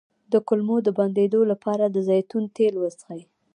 د کولمو د بندیدو لپاره د زیتون تېل وڅښئ